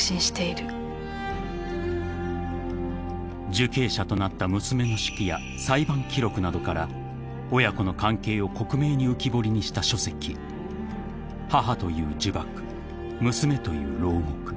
［受刑者となった娘の手記や裁判記録などから親子の関係を克明に浮き彫りにした書籍『母という呪縛娘という牢獄』］